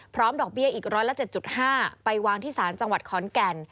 ดอกเบี้ยอีก๑๐๗๕ไปวางที่ศาลจังหวัดขอนแก่น